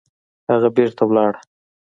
هغه بېرته ولاړه